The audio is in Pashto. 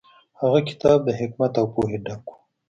هغه کتاب د حکمت او پوهې ډک و.